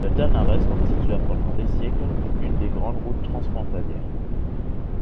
La Ténarèze constitua pendant des siècles une des grandes routes transfrontalières.